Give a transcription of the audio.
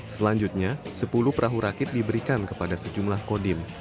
selanjutnya sepuluh perahu rakit diberikan kepada sejumlah kodim